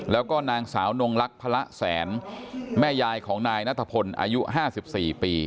แล้วก็นางสาวนงลักษณ์พระแสนแม่ยายของนายนัทพลอายุ๕๔ปี